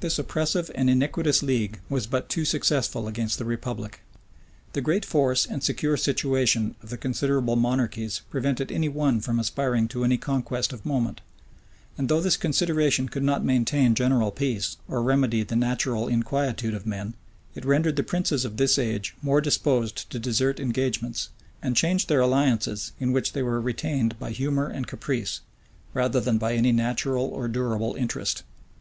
This oppressive and iniquitous league was but too successful against the republic. The great force and secure situation of the considerable monarchies prevented any one from aspiring to any conquest of moment; and though this consideration could not maintain general peace, or remedy the natural inquietude of men, it rendered the princes of this age more disposed to desert engagements, and change their alliances, in which they were retained by humor and caprice, rather than by any natural or durable interest.